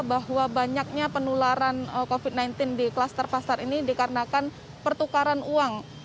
bahwa banyaknya penularan covid sembilan belas di kluster pasar ini dikarenakan pertukaran uang